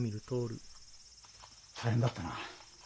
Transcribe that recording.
大変だったな。